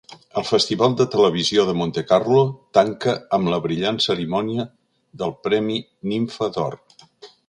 El Festival de Televisió de Montecarlo tanca amb la brillant cerimònia del Premi Nimfa d'Or.